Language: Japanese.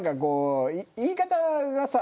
言い方がさ